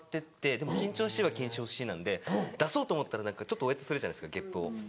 でも緊張しいは緊張しいなんで出そうと思ったらおえつするじゃないですかゲップを。